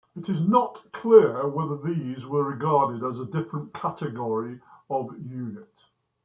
It is not clear whether these were regarded as a different category of unit.